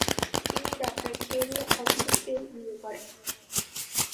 তিনি ডা. খেরি অগলুকে বিয়ে করেন।